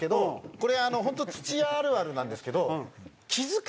これ本当土屋あるあるなんですけど。